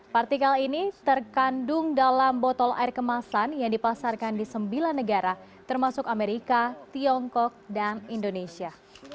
partikel ini terkandung dalam botol air kemasan yang dipasarkan di sembilan negara termasuk amerika tiongkok dan indonesia